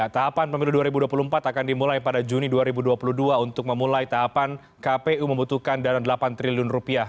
tahapan pemilu dua ribu dua puluh empat akan dimulai pada juni dua ribu dua puluh dua untuk memulai tahapan kpu membutuhkan dana rp delapan triliun